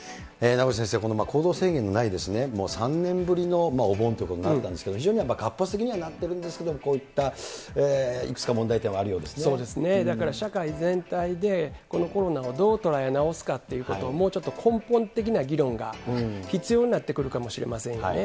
名越先生、行動制限のない、もう３年ぶりのお盆ということになったんですけど、非常に活発にはなっているんですけれども、こういったいくつか問そうですね、だから社会全体で、このコロナをどう捉え直すかということを、もうちょっと根本的な議論が必要になってくるかもしれませんよね。